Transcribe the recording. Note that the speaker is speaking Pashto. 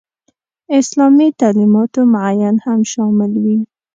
اسلامي تعلیماتو معین هم شامل وي.